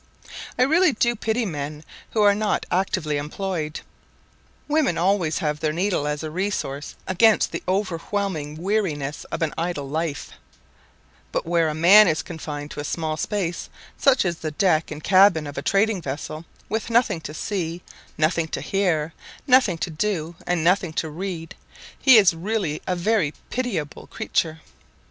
I really do pity men who are not actively employed: women have always their needle as a resource against the overwhelming weariness of an idle life; but where a man is confined to a small space, such as the deck and cabin of a trading vessel, with nothing to see, nothing to hear, nothing to do, and nothing to read, he is really a very pitiable creature.